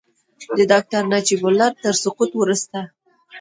د ډاکټر نجیب الله تر سقوط وروسته.